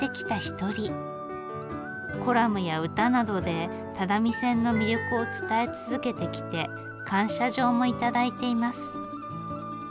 コラムや歌などで只見線の魅力を伝え続けてきて感謝状も頂いています。